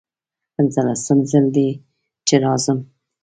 پنځلسم ځل دی چې راځم.